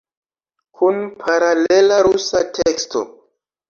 Kun paralela rusa teksto.